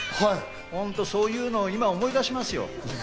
そういうのを今思い出しますよ。